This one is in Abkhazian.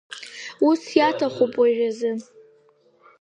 Ус иаҭахуп уажәазы!